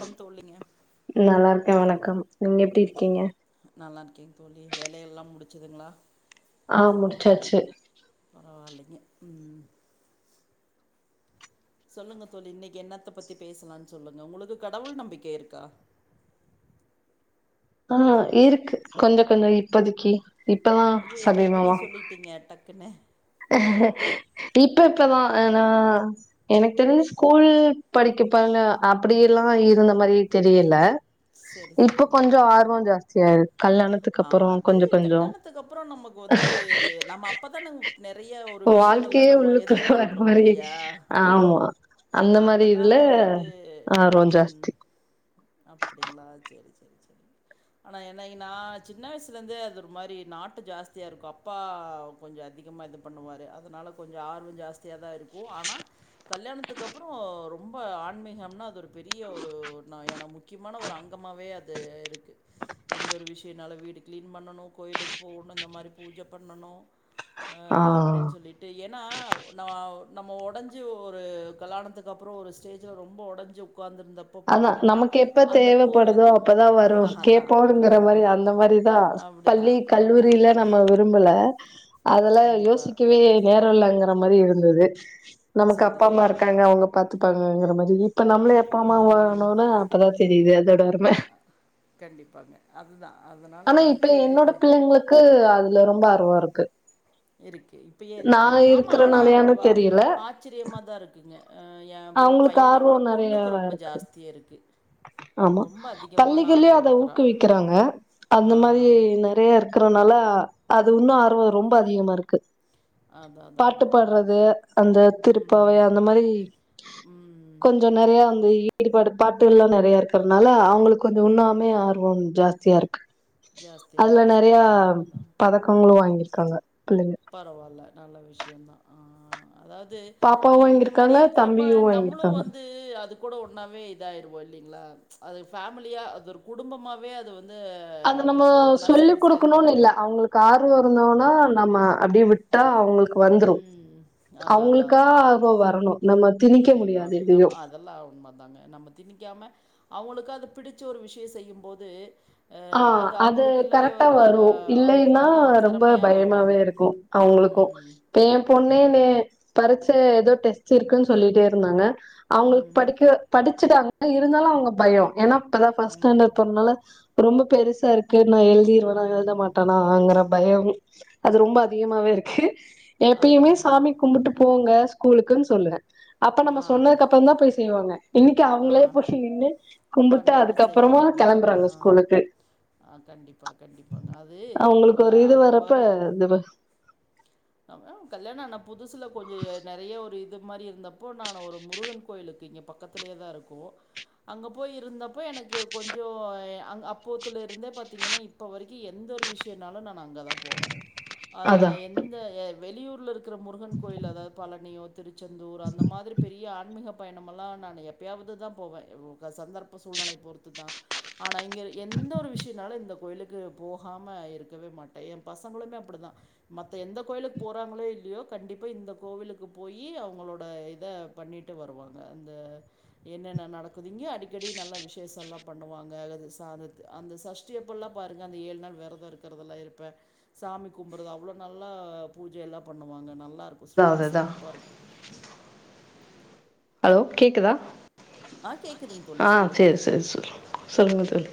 Come தோழிங்க நல்லா இருக்கேன் வணக்கம் நீங்க எப்டி இருக்கீங்க நல்லா இருக்கேன் தோழி வேலையெல்லாம் முடிச்சிதுங்ளா ஆ முடிச்சாச்சு பரவாலிங்க ம் சொல்லுங்க தோழி இன்னைக்கு என்னத்த பத்தி பேசலான்னு சொல்லுங்க உங்களுக்கு கடவுள் நம்பிக்கை இருக்கா ஆ இருக்கு கொஞ்சோ கொஞ்சோ இப்போதைக்கு இப்பதா ஐயோ என்ன இப்டி சமீபமா சொல்லிடீங்க டக்குனு இப்ப இப்பதான் நா எனக்கு தெரிஞ்சு ஸ்கூல் படிக் கிப்பல்ல அப்டியேல்லா இருந்த மாரியே தெரியல சரி இப்ப சரிங்க கொஞ்சோ ஆர்வோ ஜாஸ்தி ஆயிருக் கல்யாணத்துக்கு அப்றோ கொஞ்ச கொஞ்சோ இப்ப வந்து நம்ம அப்பதானுங் நெறை வாழ்க்கையே உள்ளுக்குள்ள வர்ர மாரி இல்லையா ஆமா அந்த மாரி அதனால இதுல ஆர்வோ ஜாஸ்தி அப்டிங்ளா சேரி சேரி சேரி ஆனா என்னைக்கு நா சின்ன வயசுலந்தே அது ஒரு மாரி நாட்டு ஜாஸ்தியா இருக்கு அப்பா கொஞ்சோ அதி கமா இது பண்ணுவாரு அதனால கொஞ்சோ ஆர்வோ ஜாஸ்தியாதா இருக்கு ஆனா கல்யாணத்துக்கு அப்றோ ரொ ரொம்ப ஆன்மீகம்னா அது ஒரு பெரிய ஒரு நா எனம் முக்கியமான ஒரு அங்கமாவே அது இருக்கு எந்த ஒரு விஷ்யனாலு வீடு கிளீன் பண்ணணு கோயிலுக்கு போணு இன்னு இந்த மாரி பூஜ பண்ணணு ஆ அப்டின்னு சொல்லிட்டு ஏனா நா நம்ம ஒடஞ்சு ஒரு கல்யாணத்துக்கு அப் அப்றோ ஒரு ஸ்டேஜ்ல ரொம்போ ஒடஞ்சு உக்காந்திருந்தப் அதா நமக்கு எப்ப தேவைப்படுதோ அப்பதா வரு அதான் கேட்போங்கிற அப்படிதான். மாரி அந்த மாரிதா பள்ளி, அப்படிதான், அப்படிதாங்க. கல்லூரில நம்ம விரும்பல அதுல கண்டிப்பா. யோசிக்கவே நேரோ இல்லங்கற மாரி இருந்தது நமக்கு சரி, அப்பா அம்மா சரிங்க. இருக்காங்க அவுங்க பாத்துப்பாங்கங்கிற மாரி இப்ப நம்ம அம்மா ம். வாகுனோன அப்பதா தெரிது அதோட அரும கண்டிப்பாங்க. அதுதான். அதனால ஆனா இப்ப வந்துட்டு என்னோட பிள்ளைங்களுக்கு அதுல ரொம்போ ஆர்வோ இருக்கு இருக்கு இப்பயே நான் இருக்குங்கறீங்க ஆமா ஆனா இருக்கிறனாலயான்னு தெரியல ஆச்சிரியமாதா இருக்குங்க எ அவங்களுக்கு பைய்யனவிட ஆர்வம் நெறைய பொண்ணுக்கு ரொம்ப இருக்கு ஜாஸ்தியா இருக்கு ஆமா ரொம்ப அதிகமான பள்ளிகளியு ஆர்வம் அத இருக்குறா. ஊக்குவிக்கறாங்க ஆ அந்த மாரி நெறயா இருக்கறனால அது இன்னு ஆர்வோ ரொம்ப அதிகமா இருக்கு அதா அதா பாட்டு அதா அதாங்க பாடறது அந்த திருப்பாவை ம் அந்த மாரி ம் கொஞ்சோ நெறயா அந்த ஈடுபாடு பாட்டுகள் எல்லா நெறயா இருக்கறனால அவுங்களுக்கு கொஞ்சோ உண்ணமே ஆர்வோ ஜாஸ்தியா இருக்கு ஜாஸ்தியா அதுல இருக்கு நெறயா அதா அதா அதா பதக்கங்களு வாங்கிருக்காங்க பரவால்ல நல்ல விஷ்யந்தா ஆ அதாவது பாப்பாவு இந்த மாரி வாங்கியிருக்காங்க இருக்கறப்ப தம்பியு நம்மளு வாங்கியிருக்காங்க வந்து அது கூட ஒன்னாவே இதா ஆயிருவோ இல்லிங்ளா அது ஃபேமிலியா அது ஒரு குடும்பமாவே அது வந்து அது நம்ம அதுக்கு ஒன்னா சொல்லிக் சேந்து குடுக்கணுனு செயல்படுற இல்ல மாரி அவுங்களுக்கு ஆர்வோ இருந்தோனா நம்ம அப்டியே விட்டா அவுங்களுக்கு வந்துரு ம் அதா அதா அவங்களுக்கா அதா அதா ஆர்வோ வரணு நம்ம திணிக்க முடியாது கண்டிப்பாங்க எதையு நம்ம அதெல்லா உண்மதாங்க நம்ம திணி க்காம அவுளுக்கு அது புடுச்ச ஒரு விஷிய செய்யுபோது ஆ அது கரெக்டா அ வரு ஒரு இல்லேனா நல்ல ஒரு ரொம்ப திறமையா வருவாங்க. பயமாவே இருக்கு அவுங்க ருக்கு ம். ப்ப எ பொண்ணே நே பறிச்ச ஏதோ டெஸ்ட் இருக்குன்னு சொல்லிட்டு இருந்தாங்க அவுங்களுக்கு ம். படிக்க படிச்சுட்டாங்க இருந்தாலு அவுங்க பய ஏனா இப்பதா பஸ்ட் ம். ஸ்டாண்டர்ட் போறனால ரொம்ப பெருசா இருக்கு நா எழுதிருவேனா எழுத ம். மாட்டனாங்குற பய அது ரொம்ப அதிகமாவே இருக்கு எப்பயுமே அதான், அதான். சாமி கும்புட்டு போங்க ஸ்கூலுக்குன்னு சொல்லுவே அப்ப நம்ம ஆ. சொன்னதுக் அப்பற தா போய் செய்வாங்க இன்னைக்கு ஆ. அவுங்களே போயிநின்னு கும்பிட்டு பண் அதுக்கப்பறமா செய்யறாங்க. ஆ. கிளம்பறாங்க ஆ கண்டிப்பா கண்டிப்பா அது அவங்களுக்கு ஒரு இது அது வரப்ப வரு இது [unintelligible] கல்யாண ஆன புதுசுல கொஞ்ச நெறய ஒரு இது இது மாரி இருந்தப்போ நானு ஒரு முருகன் கோயிலுக்கு இங்க பக்கத்துலயே தா இருக்கு அங்க போய் இருந்தப்போ எனக்கு கொஞ்ச அப்போத்துல இருந்தே பாத்தீங்னா இப்ப வரக்கி எந் எந்த ஒரு விஷயனாலு நானு அங்கே தா போவே அ அதா எந்த வெளியூர்ல இருக்கற முருகன் கோயில்ல அதாவது பழனியோ திருச்செந்தூர் அந்த மாரி பெரிய ஆன்மீக பயணம் எல்லா நானு எப்பயாவது தா போவே சந்தர்ப்ப சூழ் நிலை பொறுத்து தா ஆனா இங்க எந்த ஒரு விஷயனாலு இந்த கோயிலுக்கு போகாம இருக்கவே மாட்டே எ பசங்களுமே அப்டி தா ம எந்த கோவிலுக்கு போறாங்களோ இல்லயோ கண்டிப்பா இந்த கோவிலுக்கு போயி அவுங்களோட இத பண்ணிட்டு வரு வாங்க அந்த என்னென்ன நடக்குதிங்க அடிக்கடி நல்ல விசேஷலா பண்ணுவாங்க அல்லது சா [unintelligible] அந்த சஷ்டி அப்போலா பாருங்க அந்த ஏழு நாள் விரத இருக்கிறதுல்லா இருப்பே சாமி கும்புறது அவ்ளோ ப் நல்லா பூஜை எல்லா பண்ணுவாங்க நல்லா இருக்கு ஸ் அதா ரொம்ப அதுதா சிறப்பா இருக்கு ஹலோ கேக்குதா ஆ கேக்குதுங்க தோழி. ஆ சொல்லுங்க. சேரி சேரி சேரி சொல்லுங்க தோழி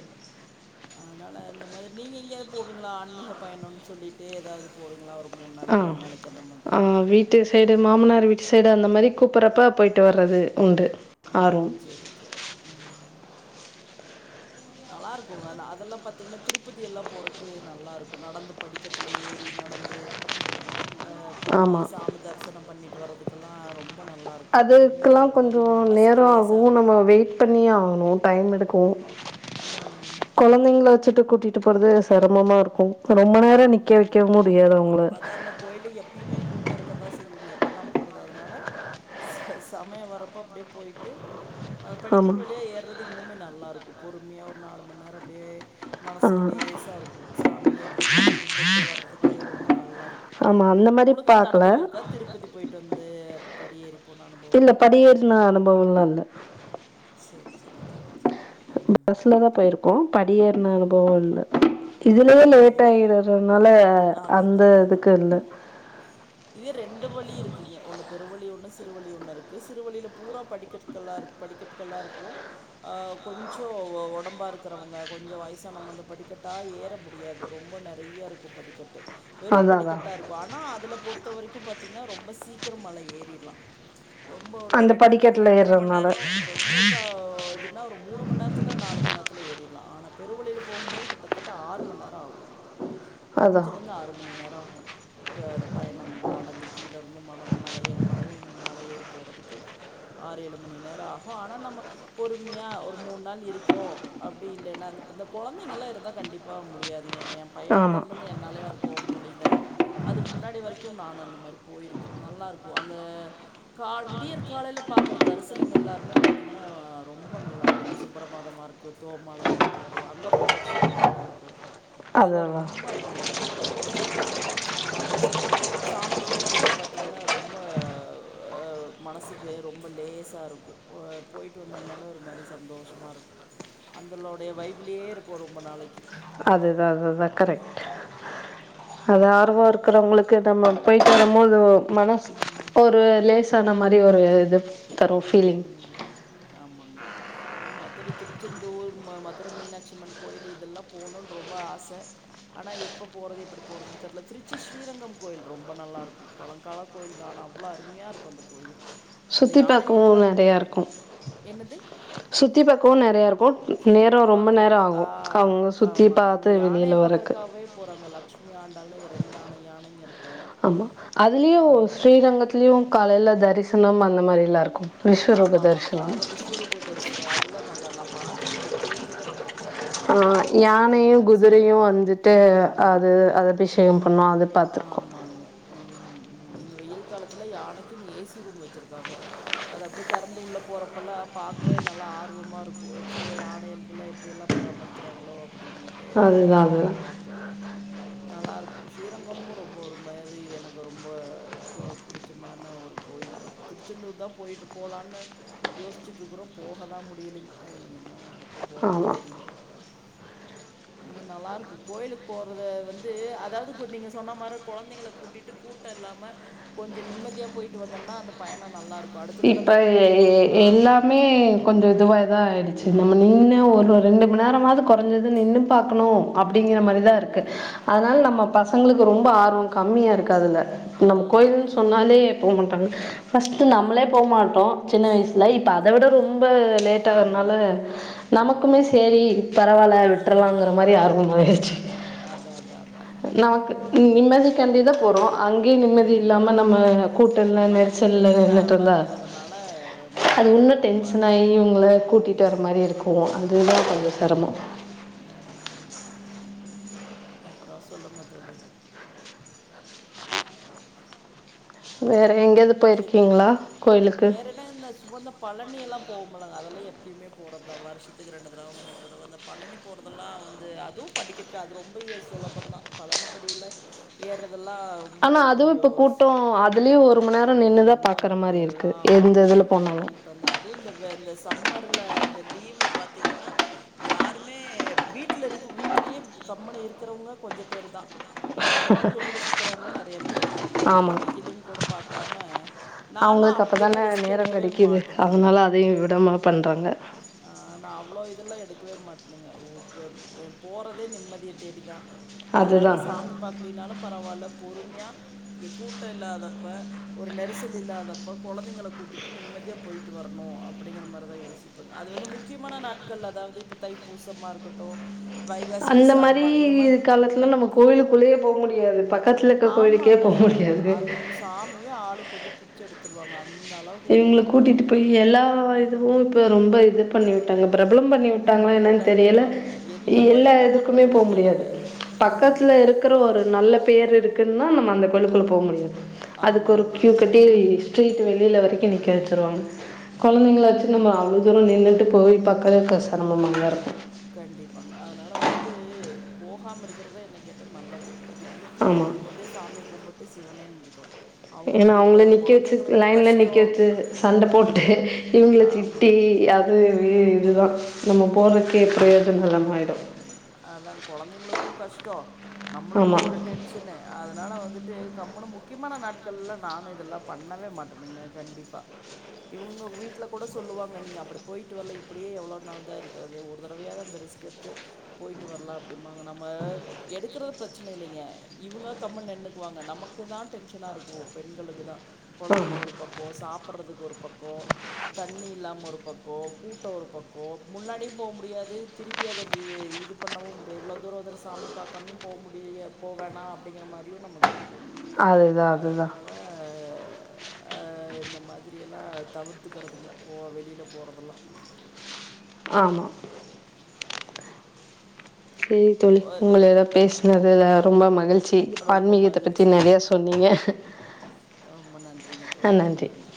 அதனால இந்த மாரி நீங்க எங்கேயாவது போவீங்களா ஆன்மீக பயணம்னு சொல்லிட்டு ஏதாவது போவீங்களா ஒரு மூணு ஆ நாளைக்கு ரெண்டு நாளைக்கு அந்த மாதிரி ஆ வீட்டு சைடு மாமனாரு வீட் சைடு அந்த மாரி கூப்ட்றப்ப போயிட்டு வர்றது உண்டு ஆ ஆர்வம் சேரி சேரி ஆ [inaudible] நல்லா இருக்கு ஆனா அதெல்லா பாத்தீங்னா திருப்பதி எல்லா போறக்கு நல்லா இருக்கு நடந்து படிக்கட்ல ஏறி நடந்து ந்து அ போயி ஆமா சாமி தரிசன பண்ணிட்டு வறதுக்கெல்லா ரொம் அதுகுலா கொஞ்ச நேர மனசுக்கு ஆகு லேசாக இருக்கும் நம்ம வெயிட் பண்ணி ஆகணு டைம் எடுக்கு ம் குழந்தைங்கள வச்சிட்டு கூட்டிட்டு போறது செரமமா இருக்கு ரொம்ப நேரோ நிக்க ம் வைக்க முடியாது அவங்கள அப்டி பாத்தா அந்த கோயில எப்பயுமே கூட்ட இருக்கதா செய்யு நீ எப்போ தா போறது அதனால சமய வரப்போ அப்டியே போய்டு அ ஆமா படிக்கட்டு வழியா ஏற்து இன்னுமே நல்லாருக்கு பொறுமையா ஒரு நாலு மண்நேர அப்டியே ஆ மனசுக்கு லேசா இருக்கு சாமிய அப்டியே போய் கும்பிட்டு வர்றதுக்கு ரொம்ப நல்லா இரு ருக்கு ஆமா அந்த மாரி உங்ளுக்கு அந்த அனுபவ பாக்கல இருக்கா திருப்பதி போயிட்டு வந்து படியேறி போன அனுபவம் இல்ல இருக்குங்களா படியேற்ன அனுபவம்லா இல்ல சேரி சேரி சேரி சேரி பஸ்லதா போயிருக்கோ படி ஏற்ன அனுபவம் இல்ல இதுலயே ஆ லேட் அதுலேயே ஆயிடுறதுனால அது அது அந்த இதுக்கு அதுதாங்க இல்ல இதே ரெண்டு வழி இருக்குங்க ஒன்னு பெருவழி ஒண்ணு சிறுவழி ஒண்ணு இருக்கு சிறுவழியில பூரா படிக்கட்டுக்கலா இருக்கு படிக்கட்டுக்கல்லா இருக்கு அ கொஞ்ச உடம்பா இருக்கிறவங்க கொஞ்ச வயசானவங்க அந்த படிக்கட்டா ஏற முடியாது ரொம்ப நெறைய யா இருக்கு படிக்கட்டு வெறு அதா அதா படிக்கட்டா இருக்கு ஆனா அதுல பொறு த்த வரைக்கு பாத்தீங்னா ரொம்ப சீக்கிர மழை ஏறிற்லா ரொம்ப ஒரு அந்த ரெண்டுலேந்து படிக்கட்டுல ரெண்டரை ம ஏறதுனால நேர ரொம்ப இதுன்னா ஒரு மூணு ம நேரத்தில நாலு மணி நேர த்துல ஏறிறலா ஆனா பெருவளியில போம் போது கிட்டத்தட்ட ஆறு ம நேர ஆகு அதா அஞ்சுல இருந்து ஆறு மணி நேரம் ஆகு த பயண நடந்து கீழருந்து மல மேல ஏழு மலையு மலை ஏறி போறதுக்கு ஆறு ஏழு மணி நேர ஆகு ஆனா நம்ம பொறுமையா ஒரு மூணு நாள் இருக்கோ அப்டி இல்லேனா அந்த கொலந்தைங்கல்லா இருந்தா கண்டிப்பா முடியாதுகே ஏ பைய ஆமா வந்ததுலந்து என்னாலயு அது போ முடில அதுக்கு முன்னாடி வரக் கிம் நான் அந்த மரி போயிருக்கே நல்லார்க்கு அங்க கால் விடியர் காலைல பாக்குற தரிசனங்கெள் ல்லார்மே பாத்தீனா ரொம்ப நல்லார்க்கு இந்த சுப்புரபாதமாருக்கு தோ மாலையா இருக்கட்டு அங்க ப்ரதக்ஷ் டிக்கெட்டா இருக்கு அதல்லா அதுதா ரொம்ப அரும்யா இருக்கு சா ச சாமி கும்பறக்கே பாத்தீங்கனா ரொம்ப மனசுக்கே ரொம்ப லேசா இருக்கு போ போயிட்டு வந்தோம்னால ஒரு மாரி சந்தோஷமாருக்கு அந்தளோடைய வைப்லே இருப்போ ரொம்ப நாளக்கி அதுதா அதுதா கரெக்ட் அது ஆர்வோ இருக்குறவங்களுக்கு நம்ம போய்ட்டு வரமோது ஒ மனஸ் ம் ஒரு லேசான மாரி ஒரு இது தரு ஃபீலிங் ம் ஆமாங்க இன்னும் மதுர திருச்செந்தூர் ம மதுர மீனாச்சம்மன் கோயில் இதல்லா போணுன் ரொம்ப ஆச அனா எப்ப போறது எப்புடி போறதுன் தெரில திருச்சி ஸ்ரீரங்கம் கோயில் ரொம்ப நல்லாருக்கு பழங்கால கோயில் தா ஆனா அவ்ளோ அரும்யாருக்கு அந்த கோவில் அந்த சுத்தி பாக்கவு யானைகளை நெறயார்க்கு என்னது? சுத்தி பாக்கவு நெறயார்க் சுத்தி பாக்கவா ஆ அவங்க சுத்தி ஆமாங்க அங்க பாத்து வெளியில யானைய வரக்கு பாக்கர்க்காவே போறாங்க லக்ஷ் மி ஆண்டால்ய ஏ ரெண்டு ஆன யானைங்க இருக்கு அம்மா அதுலியு ஸ்ரீரங்கத்லியு காலையல தரிசனம் அந்த மாரிலா இருக்கு விஸ்வரூப ஆமா ஆமா தரிசனம் கால்ல விஸ்வரூப தரிஸ்னு அதுலா நல்லா நா பாத்ததுல்லிங் கேள்விதா பட்ருக் ஆ யானயு குதுரயு சொல்லியிருக்கா. வந்துட்டு அது அத அபிஷேகம் பண்ணோ அதுர் அ ஆமாங்க ம் ம் இந்த வெயில் காலத்ல யானக்கின் ஏசி ரூம் வச்சிர்க்காங்க அத அப்டே தெறந்து உள்ள போறப்பல்லா பாக்வே நல்லா ஆர்வமா இருக்கு செய்ய யானையள்க்கு எப்டி எல்லா பராமரிக்கிறாங்ளோ அப்டின்னுட்டு அதுதான் நல்லார்க்கு அதுதான் பாக்க நல்லாருக்கு ஸ்ரீரங்கமு ரொம்ப ஒரு மேரி எனக்கு ரொம்ப பொ புடுச்சமார்னா ஒரு கோயில் தா திருச்ச தூர் தா போயிட்டு போலான்னு யோஸ்ச்சிட்ருக்குறோ போகதா முடியிலிங் அது நீ என்னா ப்ப போறோன் ஆமா தெரிய்ல ந் மேர் நல்லார்க்கு கோயிலுக் போறதே வந்து அதாவ்து நீங்க சொன்னா மாரு கொலந்தைங்ள கூட்டிட்டு கூட்ட இல்லாம கொஞ்ச நிம்மதியா போயிட்டு வந்தோம்னா அந்த பயனொ நல்லார்க் இப்ப எ எல்லாமே கொஞ்ச இதுவாய்தா ஆயிடுச்சு நம்ம நின்னு ஒர்வ ம் ரெண்டு ம நேரமாது கொறஞ்சது நின்னு பாக்குணு அப்டிங்கிற மாரி தா ஆமாங்க இருக்கு அத்னால நம்ம கண்டிப்பாக பசங்ளுக்கு ரொம்ப ஆர்வொ கம்மியாருக்கு அதுல நம் அதனால் கோயில்னு சொன்னாலே போ மட்டாங்க ஃபஸ்ட்டு நம்பளே போ மாட் டோ சின்ன வய்ஸ்ல இப்ப அத விட ரொம்ப லேட் ஆகுற்னால ஆமாங்க நமக்குமே கண்டிப்பாக சேரி பரவால்ல விட்றலாங்ற மாரி ஆர்வம் ஆயர்ச்சி அதா தா தா தா அப்புடுதா நிம்மதிக்காண்டிதா போறோ அங்யு நிம்மதி இல்லாம நம்ம கூட்டல்ல ஆமாம் நமக்கு நெரிசல்ல டென்ஷன் ஆகிற மாதிரி நின்னுட்ருந்தா இருக்கிறதுனால நமக்கு அது உன்னு போகிறக்கு ஒரு மாதிரி டென்ஷனாயி தான் இருக்கும் இவுங்ள கூட்டிட்டு வர ம் மாரி இருக்கு அதுதா கொஞ்ச ஆமாம் செர டம்மு ஆமாங்க ம் அப்பரொ சொல்லுங்க தோழி வே கேக்குதுங்க வேறட இந்த சுவந்த பழனி எல்லா போகு மலக் அதல்ல எப்யுமே போறத்தா வருஷ்த்துக்கு ரெண்டு தரவ மூணு தரவ இந்த பழனி போறதெல்லா வந்து அதுவு படி கிர்க்கா அது ரொம்ப எ சொலபந்தா பழனிப் படியில்ல ஏற்ற அனா அதுவு இப்ப கூட்டோ அதுல்யு ஒரு ம நேர் யோ ரொம்பங் எல்லா பக்குமே இதில் இப்பல்லா போனாலும் கூட்டந்தா அதுவு இந்த வெ இந்த சம் அம்மர்ல இந்த லீவ்ல பாத்தீங்கனா யாருமே வீட்ல இருக்கு வீட்லுயே கப் அம்முனு இருக்குறவுங்க கொஞ்ச பேரு தா என்னானாலும் வெளில சுத்துறவுங்க நெறய பேர் இருக்காங்க ஆமாம் வெய்யிலுன் கூட பார்க்காம நான்லாம் அவங்களுக்கு அப்படிலாம் அப்பதான ரிஸ்க் நேரம் எடுக்கவே கெடைக்குது அதனால அதையும் விடமா பண்றாங்க ஆ நான் அவ்ளோ இதெல்லாம் எடுக்குவே மாட்டுங்க [unintelligible] போறதே நிம்மதிய தேடிதான் அதனால அதுதான் சாமி பாக்கலினாலும் பரவால்ல பொறுமையா கூட்டம் இல்லாத ப ஒரு நெரிசல் இல்லாதப்ப கொழந்தைங்களை கூட்டிட்டு நிம்மதியாக போயிட்டு வரணும் அப்படிங்கிற மாரிதான் யோசி அது வந்து முக்கியமான நாட்கள் அதாவது இப்ப தைப்பூசமா இருக்கட்டும் வைகாசி அந்த மாரி விசாகமாக இந்த இது மாதிரி காலத்துலாம் நம்ம கோவிலுக்குள்ளயே போக முடியாது பக்க ஆமாங்க அது சாமிவே ஆளுக்கு கொஞ்சம் பிச்ச எடுத்துருவாங்க அந்த அளவுக்கு இவங்களை கூட்டமாக கூட்டிட்டு போய் இருக்கும் எல்லா இதுவும் ரொம்ப இது பண்ணி விட்டாங்க பிரபலம் பண்ணி விட்டாங்களா என்னனு தெரியல கண்டிப்பாங்க. எந்த எல்லா கோயிலயுமே எதுக்குமே உட்றதில்ல போம ஜனங்க. முடியாது பக்கத்துல ம். இருக்கிற ஒரு நல்ல பேர் இருக்கு ன்னா நம்ம அந்த கொயிலுக்குள்ள போக முடியாது ஆமா, அதுக்கு ஒரு ஆமாங்க. கியூ கட்டி ஸ்ட்ரீட் வெளியில வரைக் நிக்க வச்சுருவாங் கொழந்தைங்களாச்சும் நம்ம அவ்வளவு தூரம் நின்ட்டு போய் பக்கறது கஷ் [unintelligible] கண்டிப்பாங்க அதனால வந்துட்டு போகாம இருக்கிறதே என்னைய கேட்ட நல்லது அதுக்கு வீட்டிலேருந்து ஆமா நிம்மதியா சாமி கும்பிட்டு சிவனேன்னு இருக்கலாம் ஏன்னா அவங்களுக்கூட்ட அவங்கள நிக்க வச்சு குழந்தைங்களுக்கும் லைன்ல நிக்க கஷ்டம். வச்சு சண்டை போட்டு இவங்கள திட்டி ஆமாங்க. அது ஆமா. இதுதான் நம்ம போறதுக்கே ப்ரோஜனம் இல்லாம ஆயிடும் அதான் கொழந்தைங்களுக்கும் கஷ்டம் ஆமா நம்மளுக்கும் ஒரு டென்ஷனு அதனால வந்துட்டு கமுனு முக்கியமான நாட்கள்லாம் நானும் இதெல்லாம் பண்ணவே மாட்டேனுங்க கண்டிப்பா இவங்க வீட்டுல கூட சொல்லுவாங்க நீங்க அப்படி போயிட்டு வரல இப்படியே எவ்வளவு நாள் தான் இருக்கிறது ஒரு தடவையாது அந்த ரிஸ்கெடுத்து போயிட்டு வரலாம் அப்டிப்பாங்க நம்ம எடுக்கரது பிரச்சனை இல்லைங்க இவங்க கம்முன் நின்னுக்குவாங்க நமக் நமக்கு தான் டென்ஷனா இருக்கும் பெண்களுக்கு தான் ஆமா கொழந்தைங்க ஒரு பக்கம் சாப் சாப்றதுக்கு ஒரு பக்கம் தண்ணி இல்லாம ஒரு பக்கம் கூட்டம் ஒரு பக்கம் முன்னாடியும் போக முடியாது திருப்பியத [unintelligible] [unintelligible] இது பண்ணவும் முடியும் இவ்வளோ தூரம்வந்து சாமிக் பார்க்காமயும் போக முடிய போ வேணாம் அப்படிங்கிற மாதிரியும் நமக்கு இருக்கும் அதுதா அதுதா அதனால அண்ணா இந்த மாதி மாதிரியல்லாம் தவிர்த்துக்கிறதுங்க போ வெளியில போறதெல்லாம் ஆமா செரி தோழி உங்கள பேசுனதுல ரொம்ப மகிழ்ச்சி சி ரொம்ப ஆன்மீகத்த பத்தி மகிழ்ச்சிங்க நெறையா சொன்னீங்க ரொம்ப நன்றிங்க தோழி ரொம்ப நன்றி